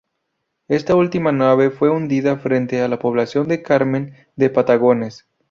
Esta última nave fue hundida frente a la población de Carmen de Patagones.